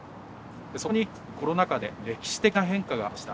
そこにコロナ禍で歴史的な変化が起きました。